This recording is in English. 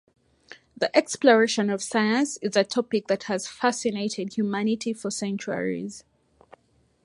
The exploration of space is a topic that has fascinated humanity for centuries.